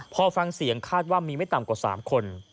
พอฟังเสียงคาดว่ามีไม่ต่ำกว่า๓คน